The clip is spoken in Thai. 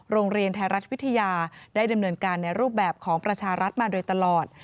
โรงเรียนไทยรัฐวิทยาได้ดำเนินการในรูปแบบของประชารัฐมาโดยตลอด